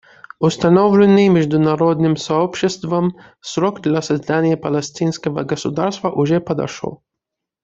Установленный международным сообществом срок для создания палестинского государства уже подошел.